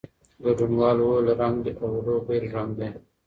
ګډونوالو وویل، رنګ "اولو" بېل رنګ دی.